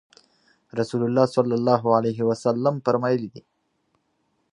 رسول الله صلی الله عليه وسلم فرمایلي دي: